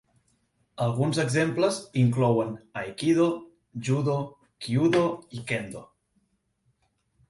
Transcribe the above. Alguns exemples inclouen aikido, judo, kyudo i kendo.